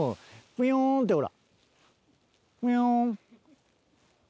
プヨンってほら。